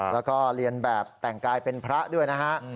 แล้วก็เรียนแบบแต่งกายเป็นพระด้วยนะฮะ